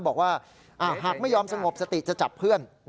บอกว่าหากไม่ยอมสงบสติจะจับเพื่อน